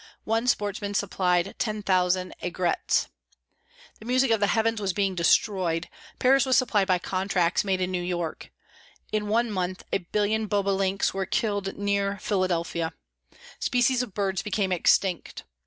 One sportsman supplied 10,000 aigrettes. The music of the heavens was being destroyed. Paris was supplied by contracts made in New York. In one month a million bobolinks were killed near Philadelphia. Species of birds became extinct.